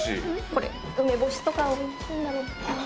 これ梅干しとか美味しいんだろうな。